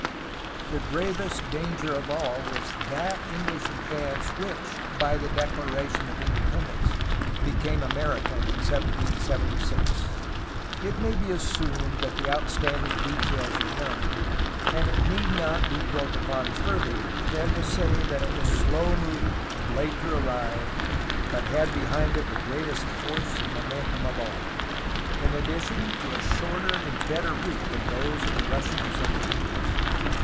The gravest danger of all was that English advance which by the Declaration of Independence became Amer ican in 1776. It may be assumed that the outstanding de tails are known, and it need not be dwelt upon further than to say that it was slow moving and late to arrive, but had behind it the greatest force and momentum of all, in addi tion to a shorter and better route than those of the Russians and English.